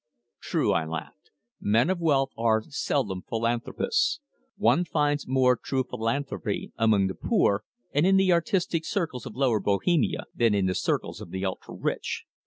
"True," I laughed. "Men of wealth are seldom philanthropists. One finds more true philanthropy among the poor, and in the artistic circles of lower Bohemia, than in the circles of the ultra rich.